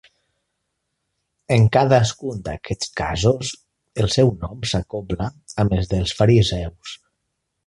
En cadascun d'aquests casos, el seu nom s'acobla amb els dels fariseus.